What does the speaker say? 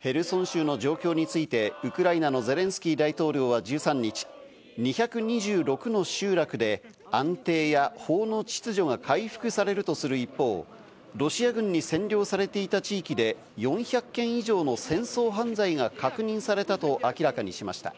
ヘルソン州の状況についてウクライナのゼレンスキー大統領は１３日、２２６の集落で安定や法の秩序が回復されるとする一方、ロシア軍に占領されていた地域で、４００件以上の戦争犯罪が確認されたと明らかにしました。